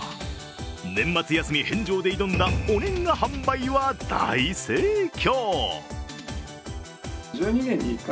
年末休み返上で挑んだお年賀販売は大盛況。